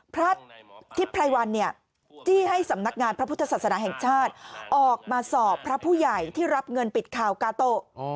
พระทิพรายวันเนี่ยจี้ให้สำนักงานพระพุทธศาสนาแห่งชาติออกมาสอบพระผู้ใหญ่ที่รับเงินปิดข่าวกาโตะ